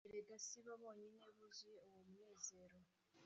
Erega sibo bonyine buzuye uwo munezero